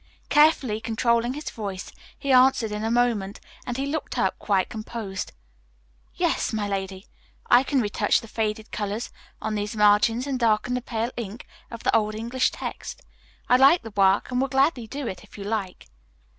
Carefully controlling his voice, he answered in a moment, as he looked up, quite composed, "Yes, my lady, I can retouch the faded colors on these margins and darken the pale ink of the Old English text. I like the work, and will gladly do it if you like."